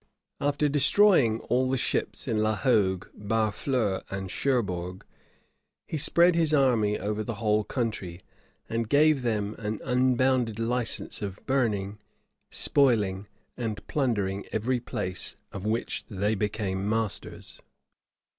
After destroying all the ships in La Hogue, Barfleur, and Cherbourg, he spread his army over the whole country, and gave them an unbounded license of burning, spoiling, and plundering every place of which they became masters.